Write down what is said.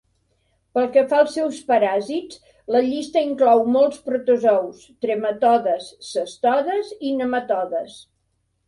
Pel que fa als seus paràsits, la llista inclou molts protozous, trematodes, cestodes i nematodes.